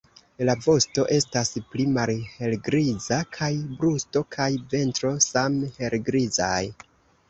La vosto estas pli malhelgriza kaj brusto kaj ventro same helgrizaj.